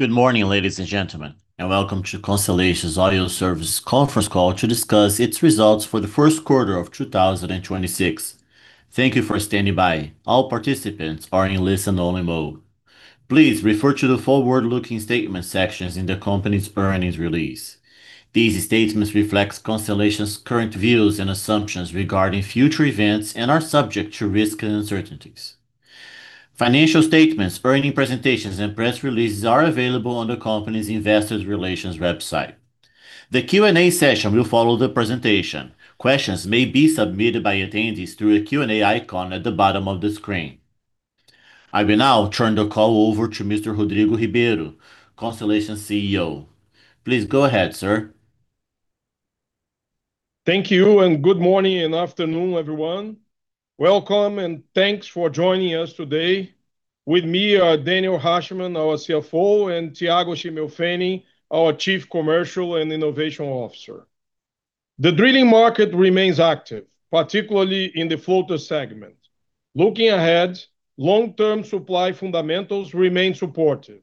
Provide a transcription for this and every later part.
Good morning, ladies and gentlemen. Welcome to Constellation Oil Services conference call to discuss its results for the first quarter of 2026. Thank you for standing by. All participants are in listen-only mode. Please refer to the forward-looking statement sections in the company's earnings release. These statements reflect Constellation's current views and assumptions regarding future events and are subject to risks and uncertainties. Financial statements, earnings presentations, and press releases are available on the company's investor relations website. The Q&A session will follow the presentation. Questions may be submitted by attendees through a Q&A icon at the bottom of the screen. I will now turn the call over to Mr. Rodrigo Ribeiro, Constellation CEO. Please go ahead, sir. Thank you, good morning and afternoon, everyone. Welcome and thanks for joining us today. With me are Daniel Rachman, our CFO, and Thiago Schimmelpfennig, our Chief Commercial and Innovation Officer. The drilling market remains active, particularly in the floater segment. Looking ahead, long-term supply fundamentals remain supportive.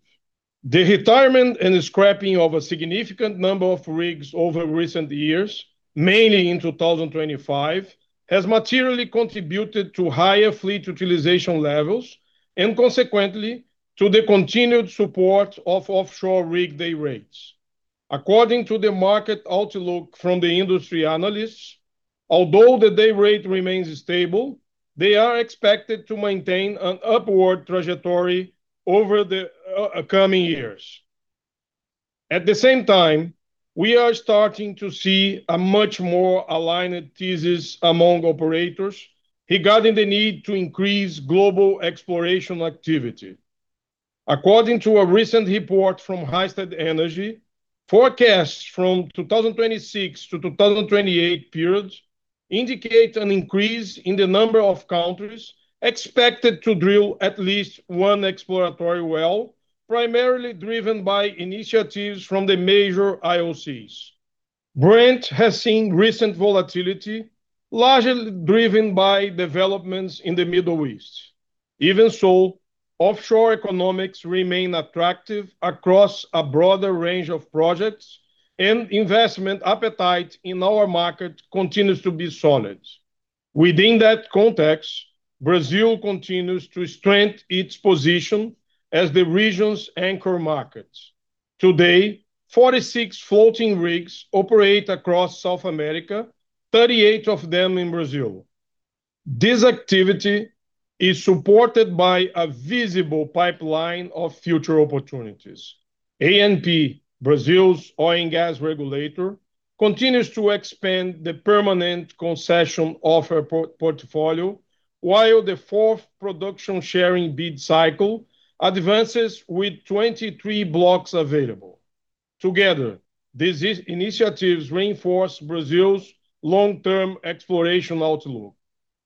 The retirement and scrapping of a significant number of rigs over recent years, mainly in 2025, has materially contributed to higher fleet utilization levels and consequently to the continued support of offshore rig day rates. According to the market outlook from the industry analysts, although the day rate remains stable, they are expected to maintain an upward trajectory over the coming years. At the same time, we are starting to see a much more aligned thesis among operators regarding the need to increase global exploration activity. According to a recent report from Rystad Energy, forecasts from 2026 to 2028 periods indicate an increase in the number of countries expected to drill at least one exploratory well, primarily driven by initiatives from the major IOCs. Brent has seen recent volatility, largely driven by developments in the Middle East. Even so, offshore economics remain attractive across a broader range of projects, and investment appetite in our market continues to be solid. Within that context, Brazil continues to strengthen its position as the region's anchor market. Today, 46 floating rigs operate across South America, 38 of them in Brazil. This activity is supported by a visible pipeline of future opportunities. ANP, Brazil's oil and gas regulator, continues to expand the permanent concession offer portfolio, while the fourth production-sharing bid cycle advances with 23 blocks available. Together, these initiatives reinforce Brazil's long-term exploration outlook.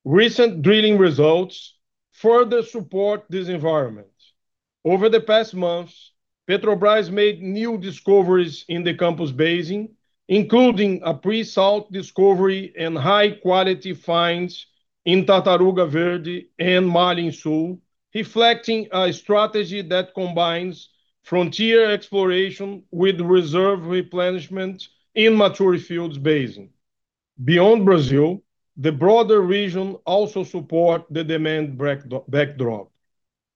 Recent drilling results further support this environment. Over the past months, Petrobras made new discoveries in the Campos Basin, including a pre-salt discovery and high-quality finds in Tartaruga Verde and Marlim Sul, reflecting a strategy that combines frontier exploration with reserve replenishment in mature fields basin. Beyond Brazil, the broader region also supports the demand backdrop.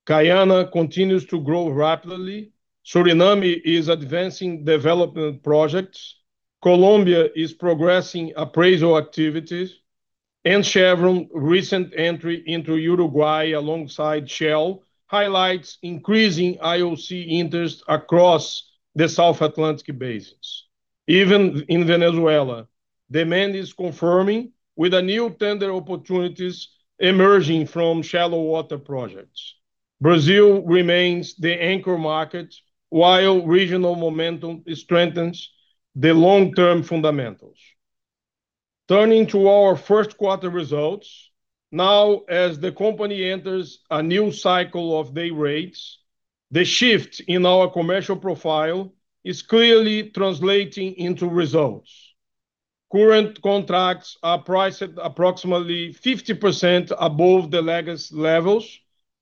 Guyana continues to grow rapidly. Suriname is advancing development projects. Colombia is progressing appraisal activities, and Chevron recent entry into Uruguay, alongside Shell, highlights increasing IOC interest across the South Atlantic basins. Even in Venezuela, demand is confirming, with new tender opportunities emerging from shallow water projects. Brazil remains the anchor market, while regional momentum strengthens the long-term fundamentals. Turning to our first quarter results, now as the company enters a new cycle of day rates, the shift in our commercial profile is clearly translating into results. Current contracts are priced at approximately 50% above the legacy levels,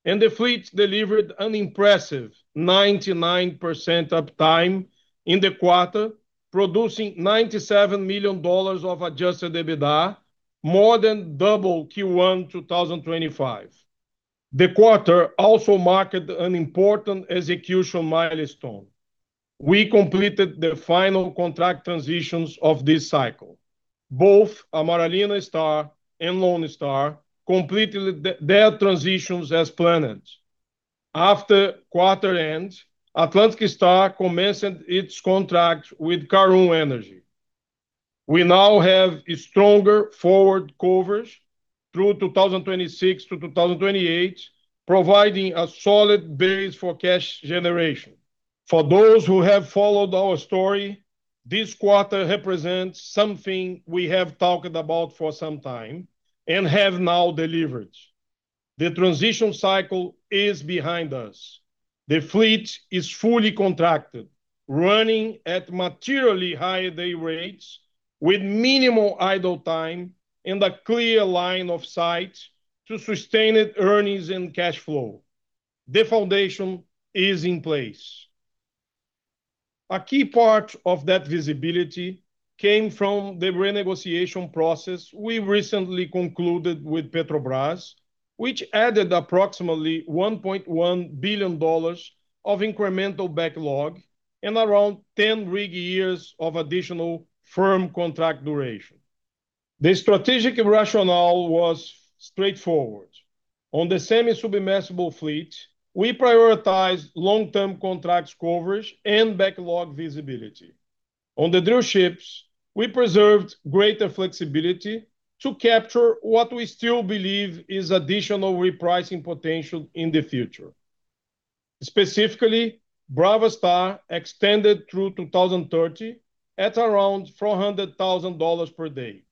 and the fleet delivered an impressive 99% uptime in the quarter, producing $97 million of adjusted EBITDA, more than double Q1 2025. The quarter also marked an important execution milestone. We completed the final contract transitions of this cycle. Both Amaralina Star and Lone Star completed their transitions as planned. After quarter end, Atlantic Star commenced its contract with Karoon Energy. We now have stronger forward coverage through 2026 to 2028, providing a solid base for cash generation. For those who have followed our story, this quarter represents something we have talked about for some time and have now delivered. The transition cycle is behind us. The fleet is fully contracted, running at materially higher day rates. With minimal idle time and a clear line of sight to sustained earnings and cash flow, the foundation is in place. A key part of that visibility came from the renegotiation process we recently concluded with Petrobras, which added approximately $1.1 billion of incremental backlog and around 10 rig years of additional firm contract duration. The strategic rationale was straightforward. On the semi-submersible fleet, we prioritize long-term contracts coverage and backlog visibility. On the drill ships, we preserved greater flexibility to capture what we still believe is additional repricing potential in the future. Specifically, Brava Star extended through 2030 at around $400,000 per day.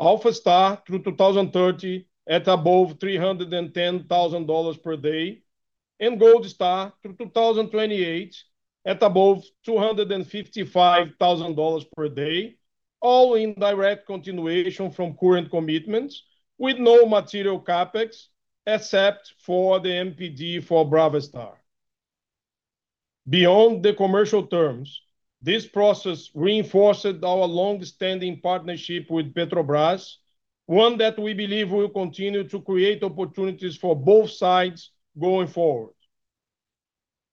Alpha Star through 2030 at above $310,000 per day, and Gold Star through 2028 at above $255,000 per day, all in direct continuation from current commitments with no material CapEx except for the MPD for Brava Star. Beyond the commercial terms, this process reinforced our longstanding partnership with Petrobras, one that we believe will continue to create opportunities for both sides going forward.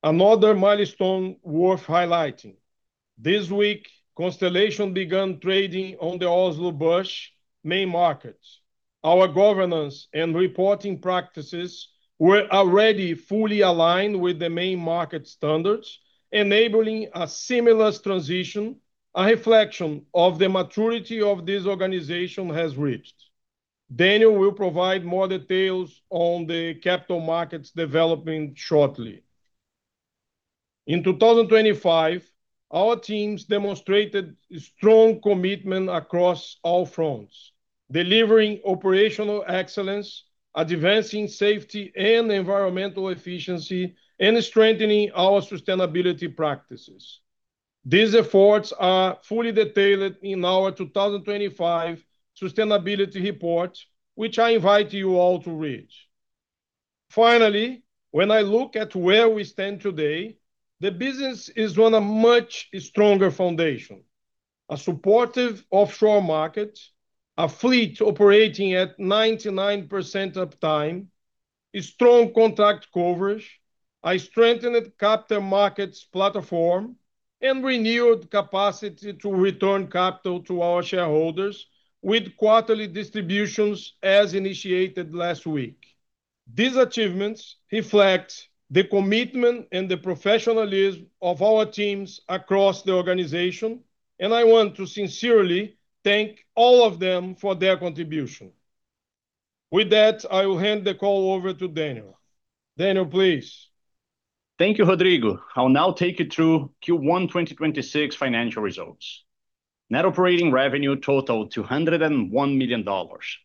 Another milestone worth highlighting, this week, Constellation began trading on the Oslo Børs Main Market. Our governance and reporting practices were already fully aligned with the main market standards, enabling a seamless transition, a reflection of the maturity of this organization has reached. Daniel will provide more details on the capital markets development shortly. In 2025, our teams demonstrated a strong commitment across all fronts, delivering operational excellence, advancing safety and environmental efficiency, and strengthening our sustainability practices. These efforts are fully detailed in our 2025 sustainability report, which I invite you all to read. Finally, when I look at where we stand today, the business is on a much stronger foundation. A supportive offshore market, a fleet operating at 99% uptime, a strong contract coverage, a strengthened capital markets platform, and renewed capacity to return capital to our shareholders with quarterly distributions as initiated last week. These achievements reflect the commitment and the professionalism of our teams across the organization, I want to sincerely thank all of them for their contribution. With that, I will hand the call over to Daniel. Daniel, please. Thank you, Rodrigo. I'll now take you through Q1 2026 financial results. Net operating revenue totaled $201 million,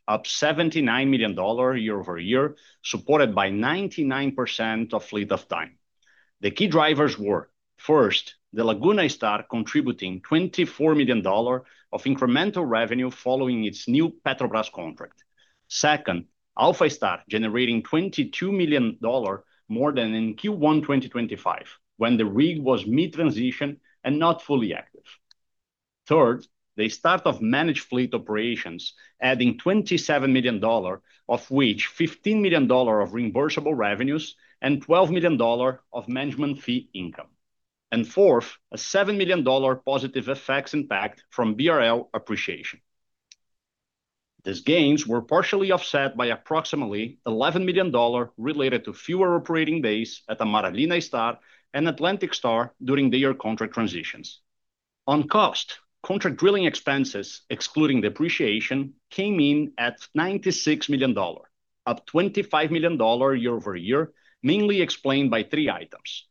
up $79 million year-over-year, supported by 99% of fleet uptime. The key drivers were, first, the Laguna Star contributing $24 million of incremental revenue following its new Petrobras contract. Second, Alpha Star generating $22 million more than in Q1 2025, when the rig was mid-transition and not fully active. Third, the start of managed fleet operations, adding $27 million, of which $15 million of reimbursable revenues and $12 million of management fee income. Fourth, a $7 million positive effects impact from BRL appreciation. These gains were partially offset by approximately $11 million related to fewer operating days at the Amaralina Star and Atlantic Star during their contract transitions. On cost, contract drilling expenses excluding depreciation came in at $96 million, up $25 million year-over-year, mainly explained by three items.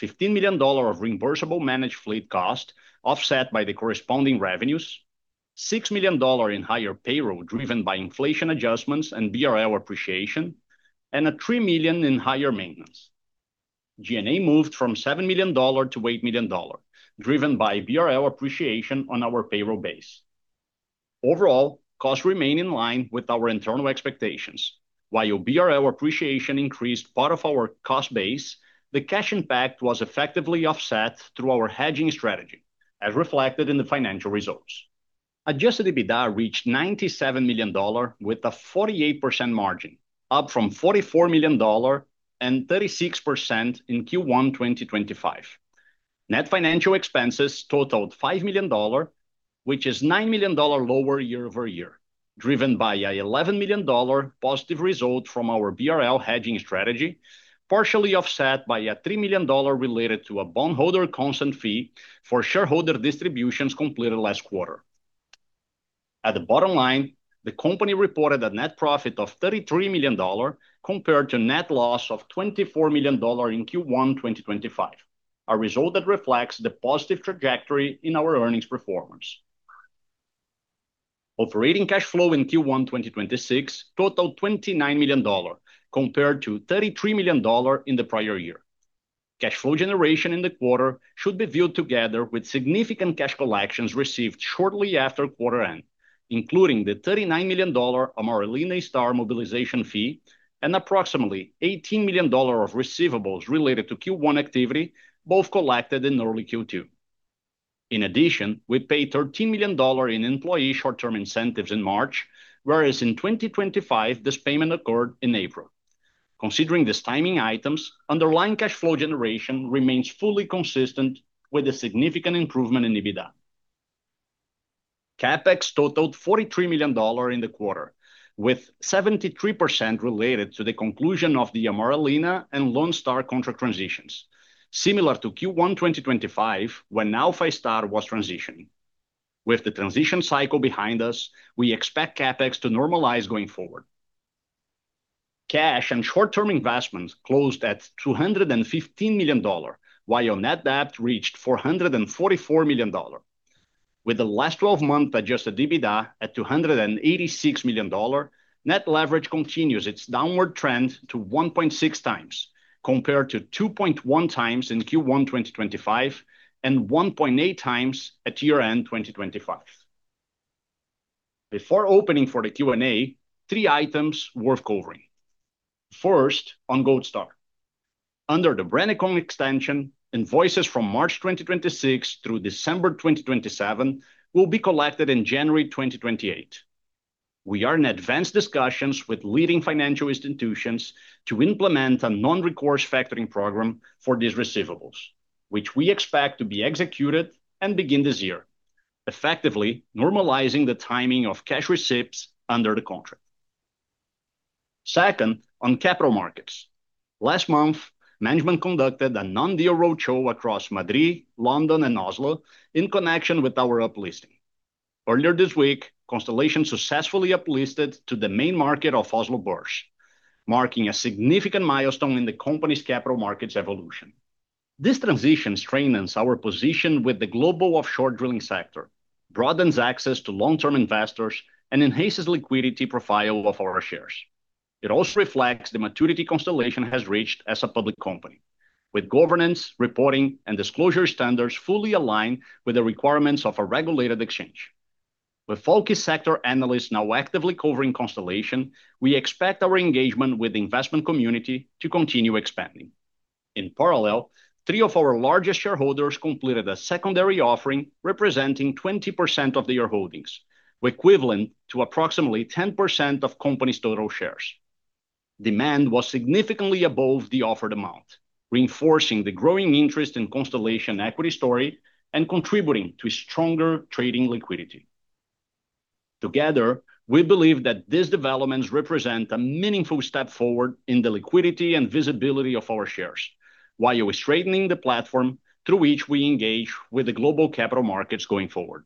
$15 million of reimbursable managed fleet cost offset by the corresponding revenues, $6 million in higher payroll driven by inflation adjustments and BRL appreciation, and $3 million in higher maintenance. G&A moved from $7 million-$8 million, driven by BRL appreciation on our payroll base. Overall, costs remain in line with our internal expectations. BRL appreciation increased part of our cost base, the cash impact was effectively offset through our hedging strategy, as reflected in the financial results. Adjusted EBITDA reached $97 million with a 48% margin, up from $44 million and 36% in Q1 2025. Net financial expenses totaled $5 million, which is $9 million lower year-over-year, driven by an $11 million positive result from our BRL hedging strategy, partially offset by a $3 million related to a bondholder consent fee for shareholder distributions completed last quarter. At the bottom line, the company reported a net profit of $33 million compared to net loss of $24 million in Q1 2025, a result that reflects the positive trajectory in our earnings performance. Operating cash flow in Q1 2026 totaled $29 million, compared to $33 million in the prior year. Cash flow generation in the quarter should be viewed together with significant cash collections received shortly after quarter-end, including the $39 million Amaralina Star mobilization fee and approximately $18 million of receivables related to Q1 activity, both collected in early Q2. In addition, we paid $13 million in employee short-term incentives in March, whereas in 2025, this payment occurred in April. Considering these timing items, underlying cash flow generation remains fully consistent with a significant improvement in EBITDA. CapEx totaled $43 million in the quarter, with 73% related to the conclusion of the Amaralina Star and Lone Star contract transitions. Similar to Q1 2025, when Alpha Star was transitioning. With the transition cycle behind us, we expect CapEx to normalize going forward. Cash and short-term investments closed at $215 million, while net debt reached $444 million. With the last 12-month adjusted EBITDA at $286 million, net leverage continues its downward trend to 1.6x, compared to 2.1x in Q1 2025 and 1.8 times at year-end 2025. Before opening for the Q&A, three items worth covering. First, on Gold Star. Under the renegotiation extension, invoices from March 2026 through December 2027 will be collected in January 2028. We are in advanced discussions with leading financial institutions to implement a non-recourse factoring program for these receivables, which we expect to be executed and begin this year, effectively normalizing the timing of cash receipts under the contract. Second, on capital markets. Last month, management conducted a non-deal roadshow across Madrid, London, and Oslo in connection with our uplisting. Earlier this week, Constellation successfully uplisted to the main market of Oslo Børs, marking a significant milestone in the company's capital markets evolution. This transition strengthens our position with the global offshore drilling sector, broadens access to long-term investors, and enhances liquidity profile of our shares. It also reflects the maturity Constellation has reached as a public company, with governance, reporting, and disclosure standards fully aligned with the requirements of a regulated exchange. With focused sector analysts now actively covering Constellation, we expect our engagement with the investment community to continue expanding. In parallel, three of our largest shareholders completed a secondary offering representing 20% of their holdings, equivalent to approximately 10% of company's total shares. Demand was significantly above the offered amount, reinforcing the growing interest in Constellation equity story and contributing to stronger trading liquidity. Together, we believe that these developments represent a meaningful step forward in the liquidity and visibility of our shares, while we're strengthening the platform through which we engage with the global capital markets going forward.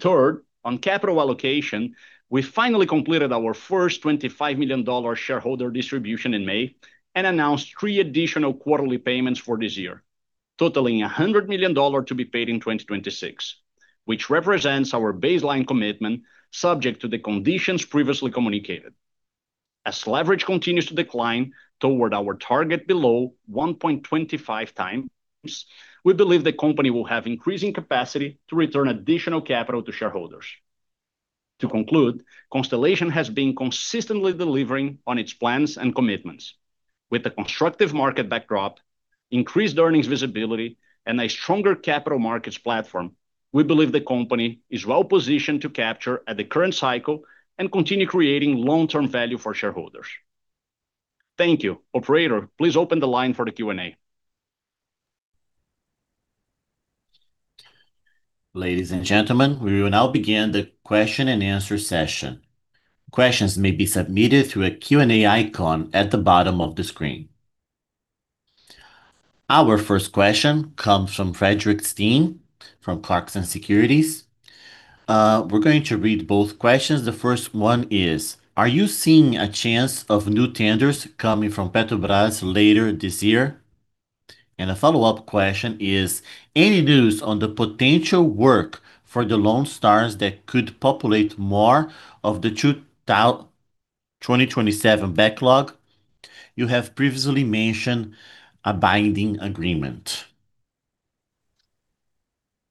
Third, on capital allocation, we finally completed our first $25 million shareholder distribution in May and announced three additional quarterly payments for this year, totaling $100 million to be paid in 2026, which represents our baseline commitment subject to the conditions previously communicated. As leverage continues to decline toward our target below 1.25x, we believe the company will have increasing capacity to return additional capital to shareholders. To conclude, Constellation has been consistently delivering on its plans and commitments. With the constructive market backdrop, increased earnings visibility, and a stronger capital markets platform, we believe the company is well-positioned to capture at the current cycle and continue creating long-term value for shareholders. Thank you. Operator, please open the line for the Q&A. Ladies and gentlemen, we will now begin the question and answer session. Questions may be submitted through a Q&A icon at the bottom of the screen. Our first question comes from Fredrik Stene from Clarksons Securities. We're going to read both questions. The first one is, are you seeing a chance of new tenders coming from Petrobras later this year? A follow-up question is, any news on the potential work for the Lone Star that could populate more of the 2027 backlog you have previously mentioned a binding agreement?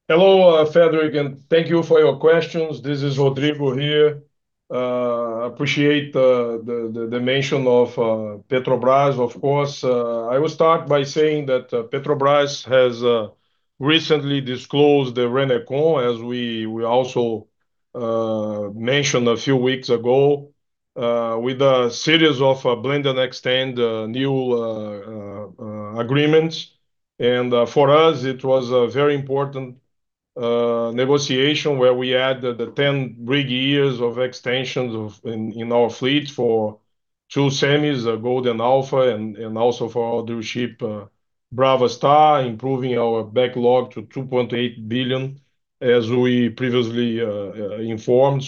Hello, Fredrik, and thank you for your questions. This is Rodrigo here. Appreciate the mention of Petrobras. Of course, I will start by saying that Petrobras has recently disclosed the renegotiation, as we also mentioned a few weeks ago, with a series of blend and extend new agreements. For us, it was a very important negotiation where we added the 10 rig years of extensions in our fleet for two semis, the Gold and Alpha, and also for our drill ship, Brava Star, improving our backlog to $2.8 billion, as we previously informed.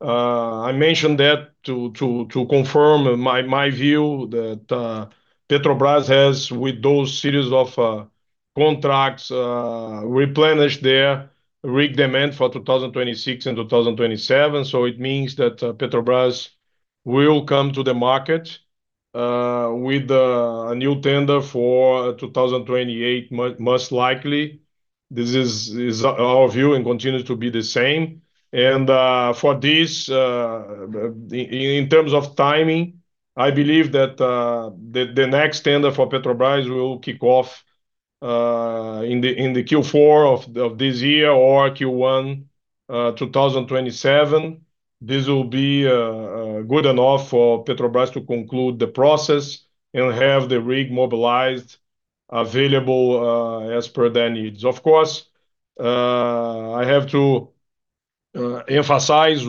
I mentioned that to confirm my view that Petrobras has, with those series of contracts, replenished their rig demand for 2026 and 2027. It means that Petrobras will come to the market with a new tender for 2028, most likely. This is our view and continues to be the same. For this, in terms of timing, I believe that the next tender for Petrobras will kick off in the Q4 of this year or Q1 2027. This will be good enough for Petrobras to conclude the process and have the rig mobilized, available as per their needs. Of course, I have to emphasize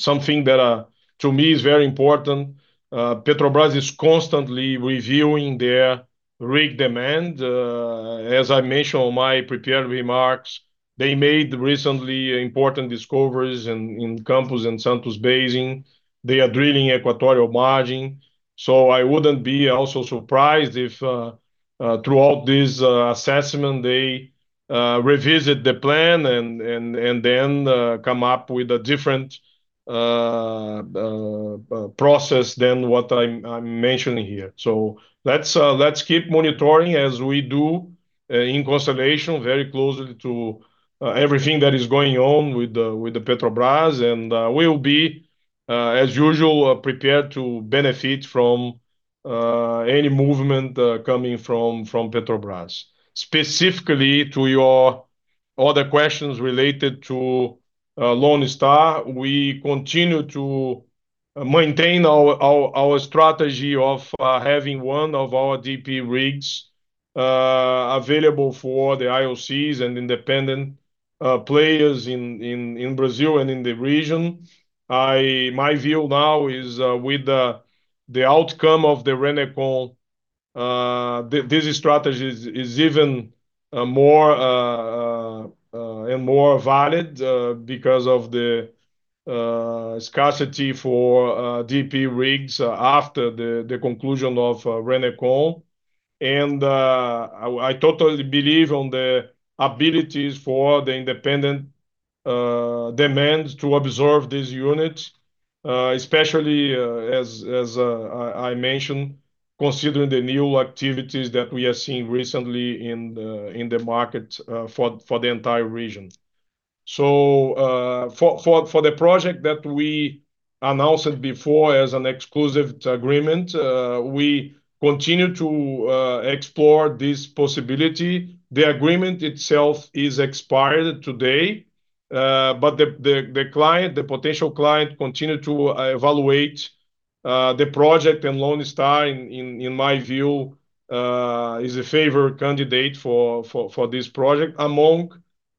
something that, to me, is very important. Petrobras is constantly reviewing their rig demand. As I mentioned in my prepared remarks, they made recently important discoveries in Campos and Santos Basin. They are drilling Equatorial Margin. I wouldn't be also surprised if throughout this assessment, they revisit the plan and then come up with a different process than what I'm mentioning here. Let's keep monitoring as we do in Constellation very closely to everything that is going on with Petrobras, and we will be, as usual, prepared to benefit from any movement coming from Petrobras. Specifically to your other questions related to Lone Star, we continue to maintain our strategy of having one of our DP rigs available for the IOCs and independent players in Brazil and in the region. My view now is with the outcome of the renegotiation, this strategy is even more valid because of the scarcity for DP rigs after the conclusion of renegotiation. I totally believe in the abilities for the independent demand to absorb this unit, especially as I mentioned, considering the new activities that we are seeing recently in the market for the entire region. For the project that we announced before as an exclusive agreement, we continue to explore this possibility. The agreement itself is expired today, but the potential client continues to evaluate the project, and Lone Star, in my view, is a favored candidate for this project among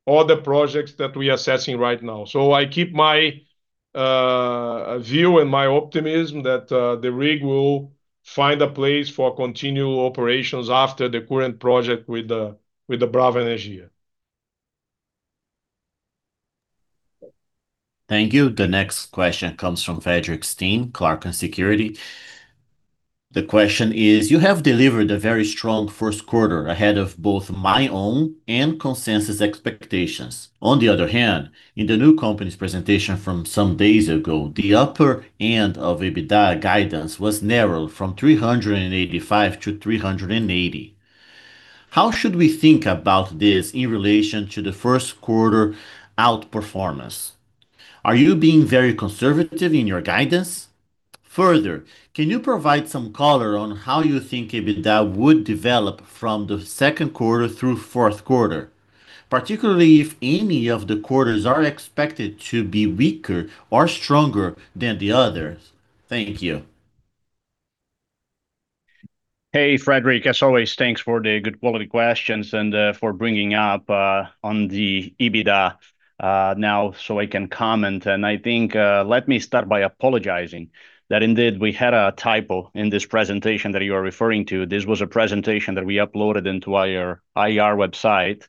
other projects that we are assessing right now. I keep my view and my optimism that the rig will find a place for continued operations after the current project with the Brava Energia. Thank you. The next question comes from Fredrik Stene, Clarksons Securities. The question is, you have delivered a very strong first quarter ahead of both my own and consensus expectations. On the other hand, in the new company's presentation from some days ago, the upper end of EBITDA guidance was narrowed from 385-380. How should we think about this in relation to the first quarter outperformance? Are you being very conservative in your guidance? Further, can you provide some color on how you think EBITDA would develop from the second quarter through fourth quarter, particularly if any of the quarters are expected to be weaker or stronger than the others? Thank you. Hey, Fredrik. As always, thanks for the good quality questions and for bringing up on the EBITDA now so I can comment. I think let me start by apologizing that indeed we had a typo in this presentation that you are referring to. This was a presentation that we uploaded into our IR website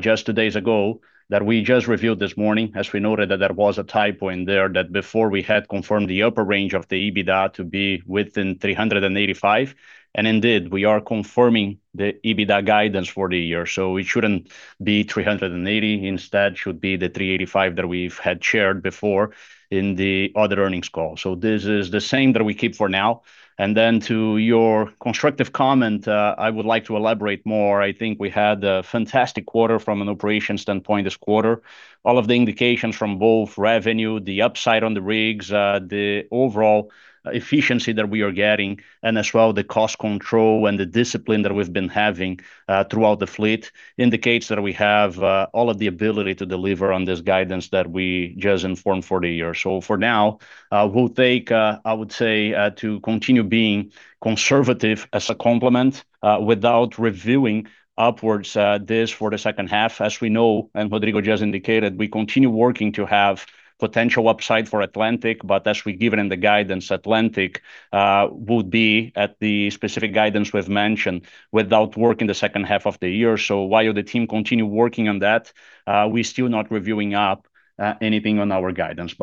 just two days ago that we just reviewed this morning, as we noted that there was a typo in there that before we had confirmed the upper range of the EBITDA to be within 385, and indeed, we are confirming the EBITDA guidance for the year. It shouldn't be 380, instead should be the 385 that we've had shared before in the other earnings call. This is the same that we keep for now. To your constructive comment, I would like to elaborate more. I think we had a fantastic quarter from an operations standpoint this quarter. All of the indications from both revenue, the upside on the rigs, the overall efficiency that we are getting, and as well the cost control and the discipline that we've been having throughout the fleet indicates that we have all of the ability to deliver on this guidance that we just informed for the year. For now, we'll take, I would say, to continue being conservative as a complement without reviewing upwards this for the second half. As we know, and Rodrigo just indicated, we continue working to have potential upside for Atlantic, but as we've given in the guidance, Atlantic would be at the specific guidance we've mentioned without working the second half of the year. While the team continue working on that, we're still not reviewing up anything on our guidance.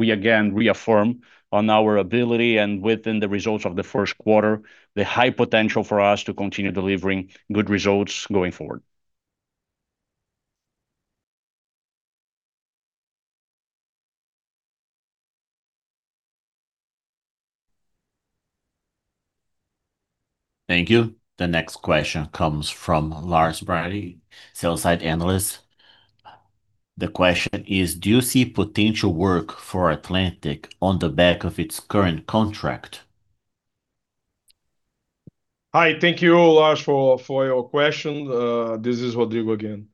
We again reaffirm on our ability and within the results of the first quarter, the high potential for us to continue delivering good results going forward. Thank you. The next question comes from Lars Brattli, sell-side analyst. The question is, do you see potential work for Atlantic on the back of its current contract? Hi. Thank you, Lars, for your question. This is Rodrigo again.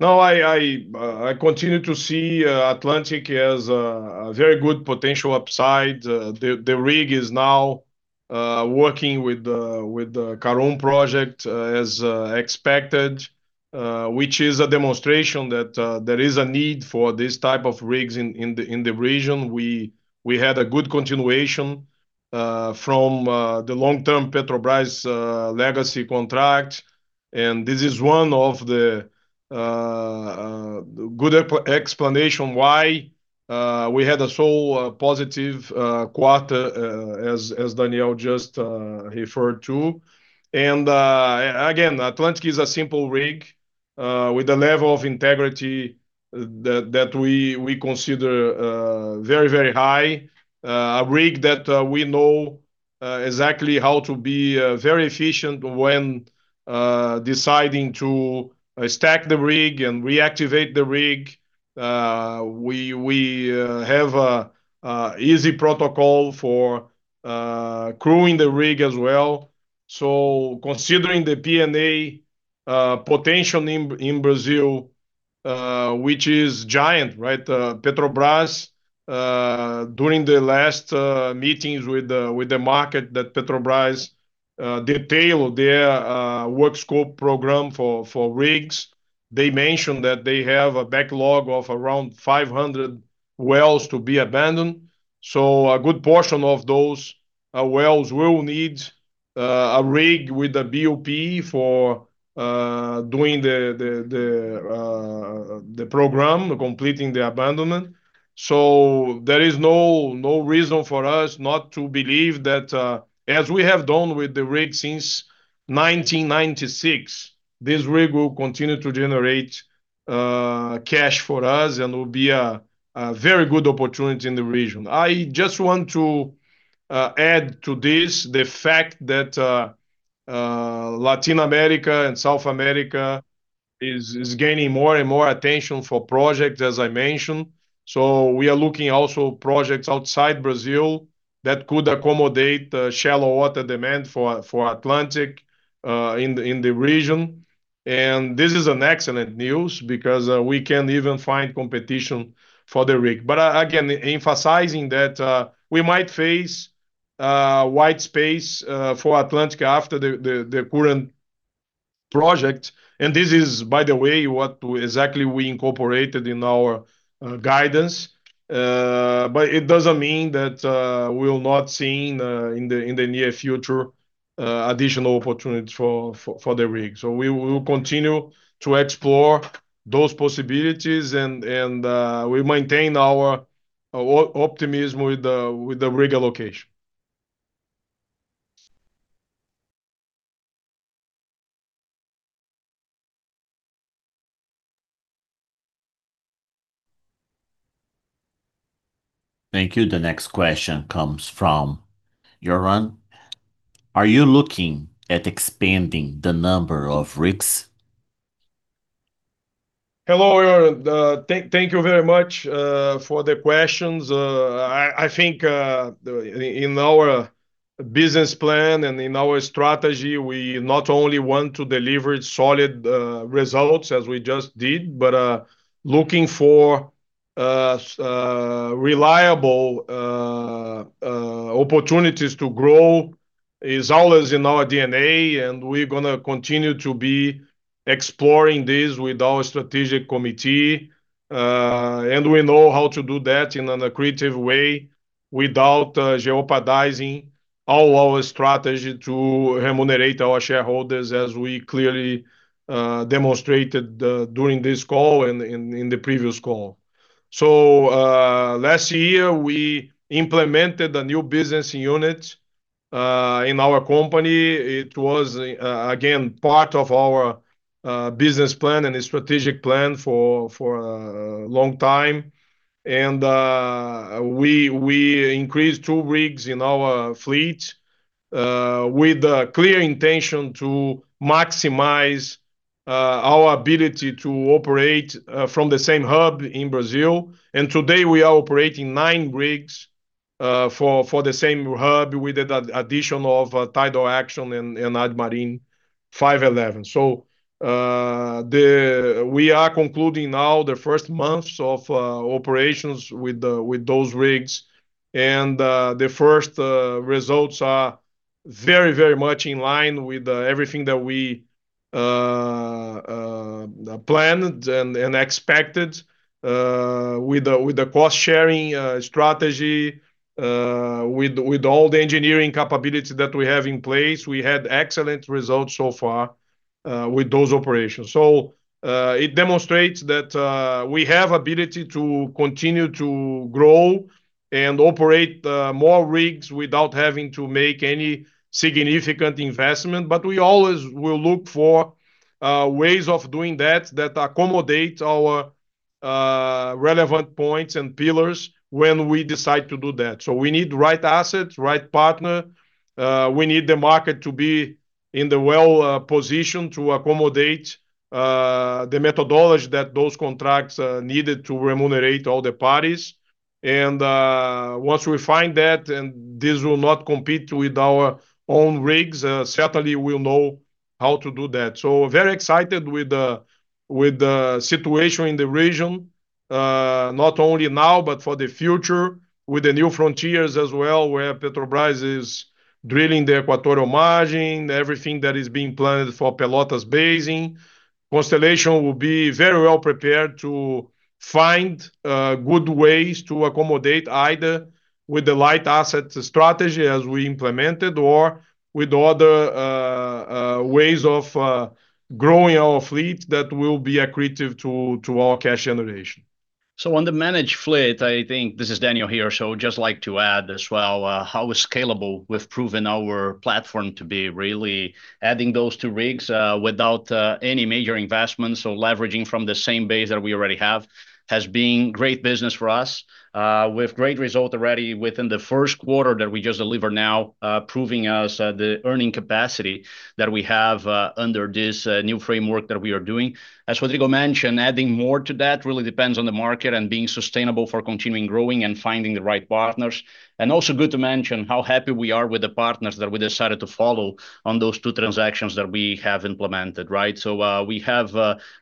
No, I continue to see Atlantic as a very good potential upside. The rig is now working with the Karoon project as expected, which is a demonstration that there is a need for these type of rigs in the region. We had a good continuation from the long-term Petrobras legacy contract, and this is one of the good explanation why we had a so positive quarter as Daniel just referred to. Again, Atlantic is a simple rig, with a level of integrity that we consider very, very high. A rig that we know exactly how to be very efficient when deciding to stack the rig and reactivate the rig. We have a easy protocol for crewing the rig as well. considering the P&A potential in Brazil, which is giant, right? Petrobras, during the last meetings with the market that Petrobras detailed their work scope program for rigs, they mentioned that they have a backlog of around 500 wells to be abandoned. A good portion of those wells will need a rig with a BOP for doing the program, completing the abandonment. There is no reason for us not to believe that, as we have done with the rig since 1996, this rig will continue to generate cash for us and will be a very good opportunity in the region. I just want to add to this the fact that Latin America and South America is gaining more and more attention for projects, as I mentioned. We are looking also projects outside Brazil that could accommodate the shallow water demand for Atlantic in the region. This is an excellent news because we can't even find competition for the rig. again, emphasizing that we might face white space for Atlantic after the current project. this is, by the way, what exactly we incorporated in our guidance. It doesn't mean that we'll not seen, in the near future, additional opportunities for the rig. We will continue to explore those possibilities and we maintain our optimism with the rig allocation. Thank you. The next question comes from Joran. Are you looking at expanding the number of rigs? Hello, Joran. Thank you very much for the questions. I think in our business plan and in our strategy, we not only want to deliver solid results as we just did, but looking for reliable opportunities to grow is always in our DNA. We're going to continue to be exploring this with our strategic committee. We know how to do that in an accretive way without jeopardizing all our strategy to remunerate our shareholders, as we clearly demonstrated during this call and in the previous call. Last year, we implemented a new business unit in our company. It was, again, part of our business plan and strategic plan for a long time. We increased two rigs in our fleet, with a clear intention to maximize our ability to operate from the same hub in Brazil. Today, we are operating nine rigs for the same hub. We did addition of Tidal Action and Admarine 511. We are concluding now the first months of operations with those rigs. The first results are very, very much in line with everything that we planned and expected with the cost-sharing strategy, with all the engineering capability that we have in place. We had excellent results so far with those operations. It demonstrates that we have ability to continue to grow and operate more rigs without having to make any significant investment. We always will look for ways of doing that accommodate our relevant points and pillars when we decide to do that. We need right asset, right partner. We need the market to be in the well position to accommodate the methodology that those contracts needed to remunerate all the parties. Once we find that, and this will not compete with our own rigs, certainly we'll know how to do that. very excited with the situation in the region. Not only now, but for the future with the new frontiers as well, where Petrobras is drilling the Equatorial Margin, everything that is being planned for Pelotas Basin. Constellation will be very well prepared to find good ways to accommodate, either with the light asset strategy as we implemented or with other ways of growing our fleet that will be accretive to our cash generation. On the managed fleet, I think, this is Daniel here, just like to add as well, how scalable we've proven our platform to be, really adding those two rigs, without any major investments. Leveraging from the same base that we already have has been great business for us, with great result already within the first quarter that we just deliver now, proving us the earning capacity that we have under this new framework that we are doing. As Rodrigo mentioned, adding more to that really depends on the market and being sustainable for continuing growing and finding the right partners. Also good to mention how happy we are with the partners that we decided to follow on those two transactions that we have implemented, right? We have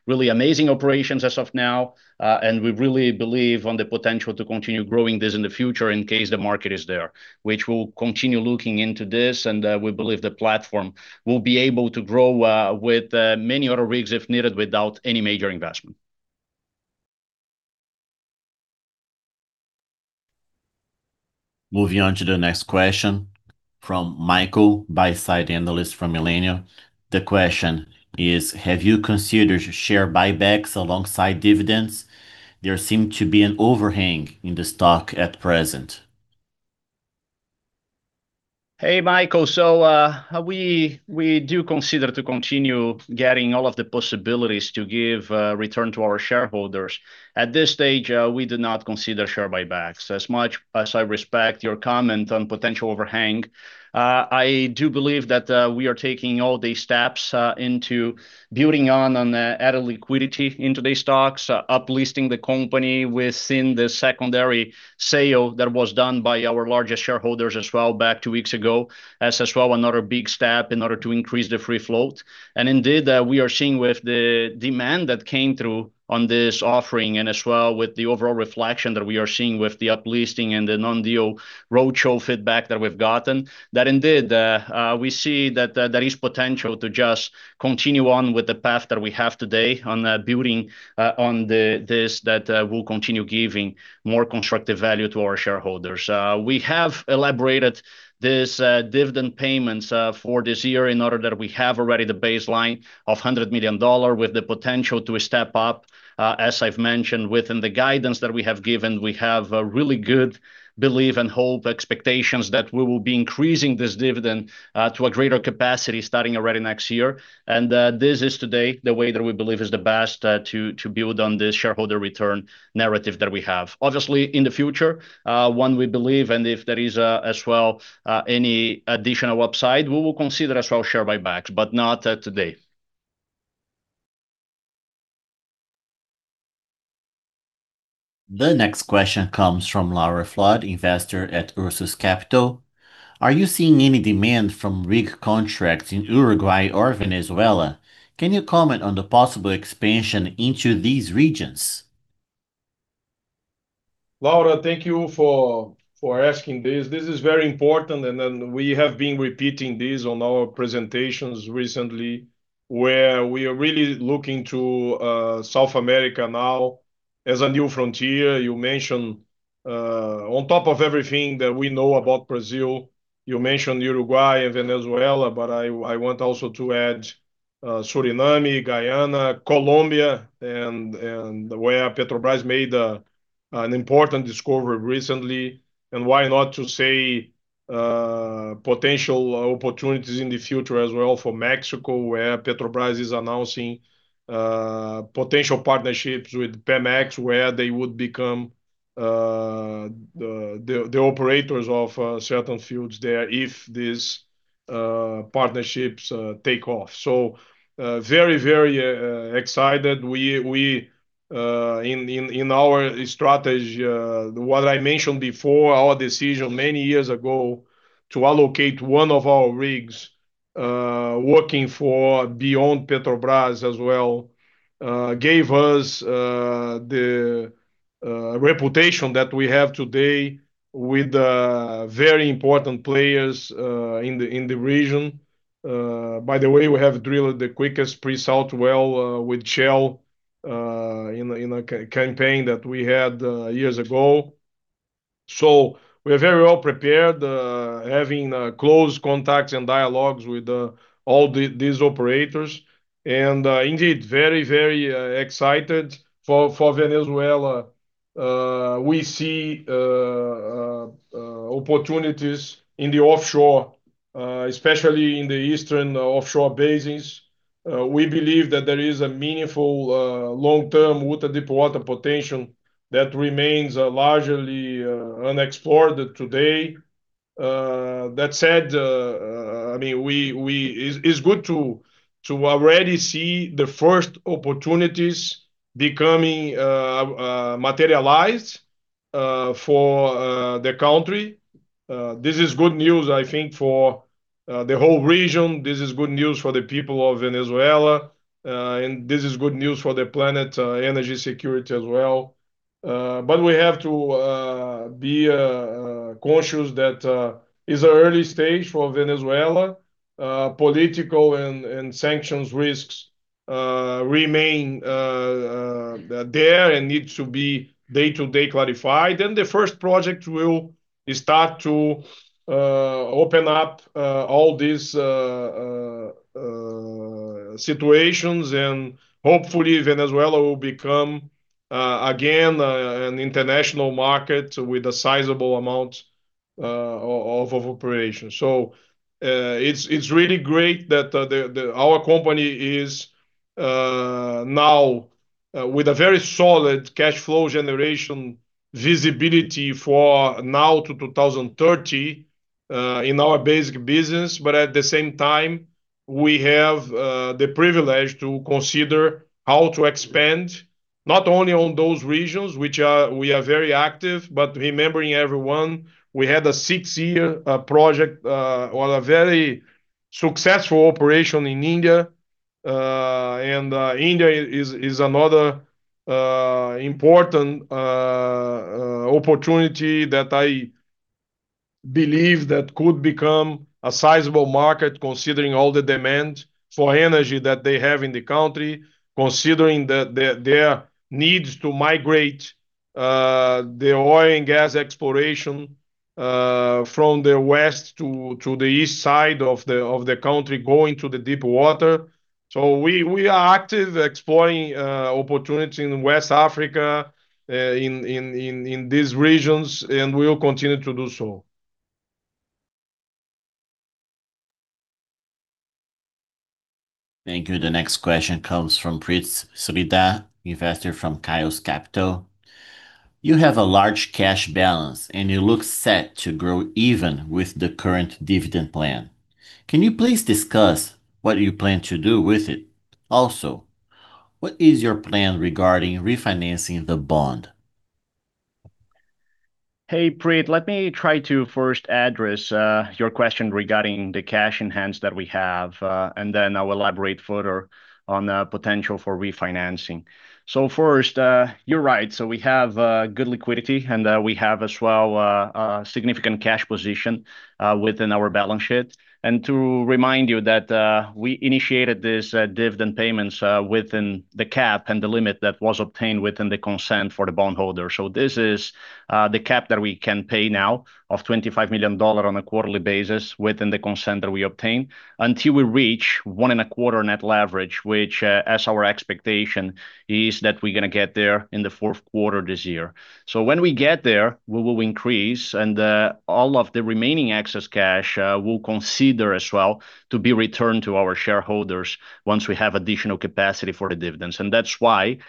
really amazing operations as of now. We really believe on the potential to continue growing this in the future in case the market is there, which we'll continue looking into this and, we believe the platform will be able to grow with many other rigs if needed without any major investment. Moving on to the next question from Michael, buy-side analyst from Millennium. The question is: Have you considered share buybacks alongside dividends? There seem to be an overhang in the stock at present. Hey, Michael. We do consider to continue getting all of the possibilities to give return to our shareholders. At this stage, we do not consider share buybacks. As much as I respect your comment on potential overhang, I do believe that we are taking all the steps into building on the added liquidity into the stocks, up listing the company within the secondary sale that was done by our largest shareholders as well back two weeks ago, as well another big step in order to increase the free float. Indeed, we are seeing with the demand that came through on this offering, and as well with the overall reflection that we are seeing with the up listing and the non-deal roadshow feedback that we've gotten, that indeed, we see that there is potential to just continue on with the path that we have today on building on this, that will continue giving more constructive value to our shareholders. We have elaborated this dividend payments for this year in order that we have already the baseline of $100 million with the potential to step up. As I've mentioned within the guidance that we have given, we have a really good belief and hope, expectations that we will be increasing this dividend to a greater capacity starting already next year. This is today, the way that we believe is the best to build on this shareholder return narrative that we have. Obviously, in the future, when we believe, and if there is, as well, any additional upside, we will consider as well share buybacks, but not today. The next question comes from Laura Flood, investor at Ursus Capital. Are you seeing any demand from rig contracts in Uruguay or Venezuela? Can you comment on the possible expansion into these regions? Laura, thank you for asking this. This is very important, and then we have been repeating this on our presentations recently, where we are really looking to South America now as a new frontier. You mentioned, on top of everything that we know about Brazil, you mentioned Uruguay and Venezuela, but I want also to add Suriname, Guyana, Colombia, and where Petrobras made an important discovery recently. Why not to say potential opportunities in the future as well for Mexico, where Petrobras is announcing potential partnerships with Pemex, where they would become the operators of certain fields there if these partnerships take off. Very, very excited. We, in our strategy, what I mentioned before, our decision many years ago to allocate one of our rigs, working for beyond Petrobras as well, gave us the reputation that we have today with very important players in the region. By the way, we have drilled the quickest pre-salt well with Shell in a campaign that we had years ago. We are very well prepared, having close contacts and dialogues with all these operators. Indeed, very, very excited for Venezuela. We see opportunities in the offshore, especially in the eastern offshore basins. We believe that there is a meaningful long-term deepwater potential that remains largely unexplored today. That said, it's good to already see the first opportunities becoming materialized for the country. This is good news, I think, for the whole region. This is good news for the people of Venezuela, and this is good news for the planet energy security as well. We have to be conscious that it's an early stage for Venezuela. Political and sanctions risks remain there and need to be day-to-day clarified. The first project will start to open up all these situations, and hopefully Venezuela will become, again, an international market with a sizable amount of operations. It's really great that our company is now with a very solid cash flow generation visibility for now to 2030 in our basic business, but at the same time, we have the privilege to consider how to expand not only on those regions, which we are very active, but remembering everyone, we had a six-year project or a very successful operation in India. India is another important opportunity that I believe that could become a sizable market considering all the demand for energy that they have in the country, considering that there are needs to migrate the oil and gas exploration from the west to the east side of the country, going to the deepwater. We are active exploring opportunities in West Africa, in these regions, and we will continue to do so. Thank you. The next question comes from Prith Sridhar, investor from Kairos Capital. You have a large cash balance, and you look set to grow even with the current dividend plan. Can you please discuss what you plan to do with it? Also, what is your plan regarding refinancing the bond? Hey, Prith. Let me try to first address your question regarding the cash in hands that we have, and then I'll elaborate further on the potential for refinancing. First, you're right. We have good liquidity, and we have as well a significant cash position within our balance sheet. To remind you that we initiated these dividend payments within the cap and the limit that was obtained within the consent for the bondholder. This is the cap that we can pay now of $25 million on a quarterly basis within the consent that we obtain until we reach one and a quarter net leverage, which, as our expectation, is that we're going to get there in the fourth quarter this year. When we get there, we will increase, and all of the remaining excess cash we'll consider as well to be returned to our shareholders once we have additional capacity for the dividends. That's why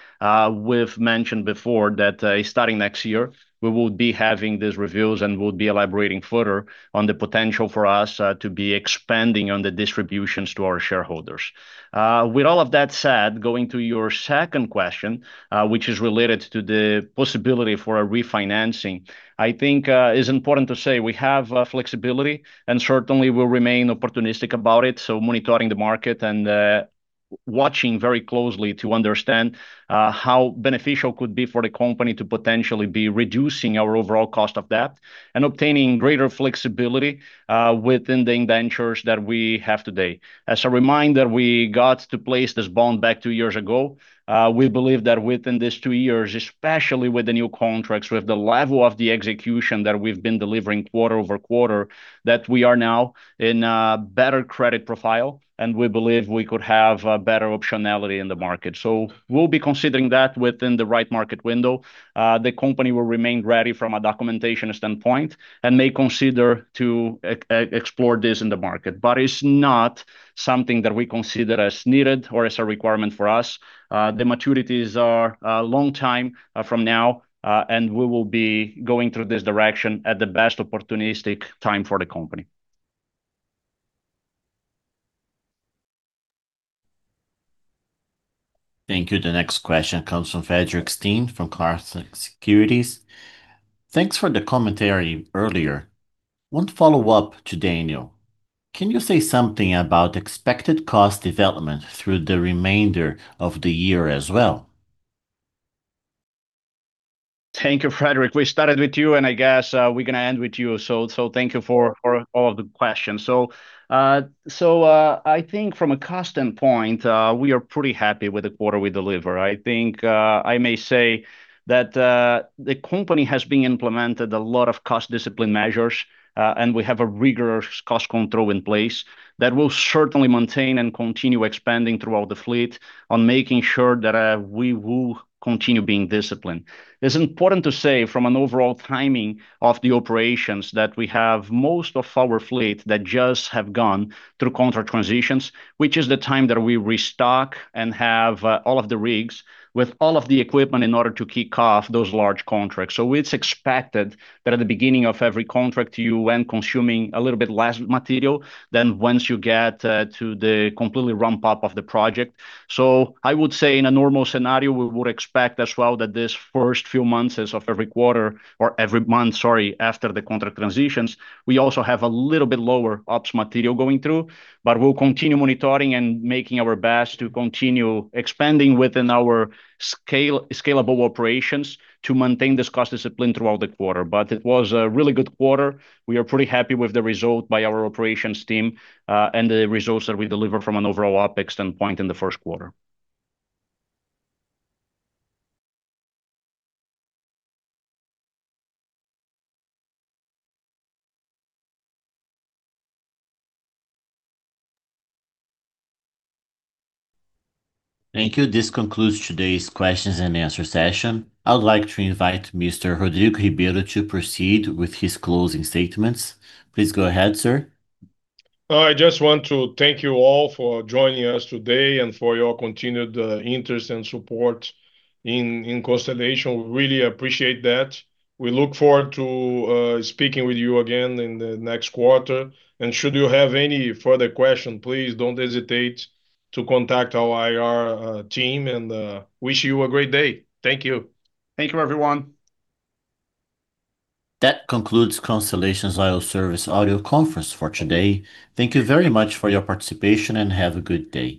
we've mentioned before that starting next year, we will be having these reviews, and we'll be elaborating further on the potential for us to be expanding on the distributions to our shareholders. With all of that said, going to your second question, which is related to the possibility for a refinancing, I think is important to say we have flexibility, and certainly we'll remain opportunistic about it. Monitoring the market and watching very closely to understand how beneficial could be for the company to potentially be reducing our overall cost of debt and obtaining greater flexibility within the indentures that we have today. As a reminder, we got to place this bond back two years ago. We believe that within these two years, especially with the new contracts, with the level of the execution that we've been delivering quarter-over-quarter, that we are now in a better credit profile, and we believe we could have a better optionality in the market. We'll be considering that within the right market window. The company will remain ready from a documentation standpoint and may consider to explore this in the market. It's not something that we consider as needed or as a requirement for us. The maturities are a long time from now, and we will be going through this direction at the best opportunistic time for the company. Thank you. The next question comes from Fredrik Stene from Clarksons Securities. Thanks for the commentary earlier. One follow-up to Daniel. Can you say something about expected cost development through the remainder of the year as well? Thank you, Fredrik. We started with you, and I guess we're going to end with you. Thank you for all of the questions. I think from a cost standpoint, we are pretty happy with the quarter we delivered. I think I may say that the company has been implementing a lot of cost discipline measures. We have a rigorous cost control in place that we'll certainly maintain and continue expanding throughout the fleet on making sure that we will continue being disciplined. It's important to say from an overall timing of the operations, that we have most of our fleet that just have gone through contract transitions, which is the time that we restock and have all of the rigs with all of the equipment in order to kick off those large contracts. It's expected that at the beginning of every contract, you end consuming a little bit less material than once you get to the completely ramp-up of the project. I would say in a normal scenario, we would expect as well that this first few months is of every quarter or every month, sorry, after the contract transitions. We also have a little bit lower OpEx material going through, but we'll continue monitoring and making our best to continue expanding within our scalable operations to maintain this cost discipline throughout the quarter. It was a really good quarter. We are pretty happy with the result by our operations team, and the results that we deliver from an overall OpEx standpoint in the first quarter. Thank you. This concludes today's questions and answer session. I would like to invite Mr. Rodrigo Ribeiro to proceed with his closing statements. Please go ahead, sir. I just want to thank you all for joining us today and for your continued interest and support in Constellation. We really appreciate that. We look forward to speaking with you again in the next quarter. Should you have any further question, please don't hesitate to contact our IR team and wish you a great day. Thank you. Thank you everyone. That concludes Constellation Oil Services audio conference for today. Thank you very much for your participation, and have a good day.